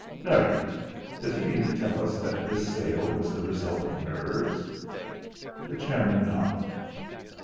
Nerves! Does he mean to tell us that this sale was the result of nerves?" The chairman nodded.